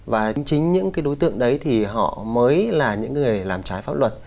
và chính những cái đối tượng đấy thì họ mới là những người làm trái pháp luật